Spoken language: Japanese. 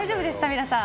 皆さん。